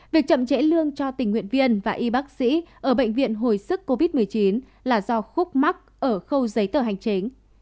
việc chậm trễ lương cho tình nguyện viên và y bác sĩ ở bệnh viện hồi sức covid một mươi chín là do khúc mắc ở khâu giấy tờ hành chính